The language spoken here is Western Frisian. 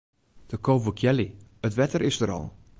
De ko wol kealje, it wetter is der al.